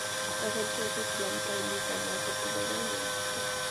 তখন ছোট ছিলাম তাই নিতাম, এখন তো বড় হয়ে গেছি।